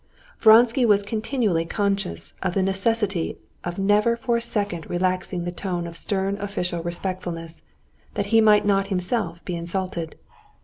Vronsky was continually conscious of the necessity of never for a second relaxing the tone of stern official respectfulness, that he might not himself be insulted.